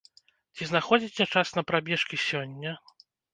Ці знаходзіце час на прабежкі сёння?